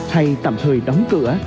hay tạm thời đóng cửa